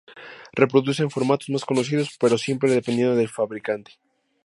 Reproducen formatos más conocidos, pero siempre dependiendo del fabricante.